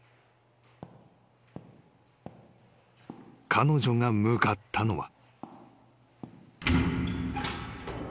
［彼女が向かったのは］